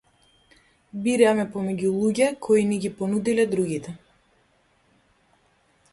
Бираме помеѓу луѓе кои ни ги понудиле другите.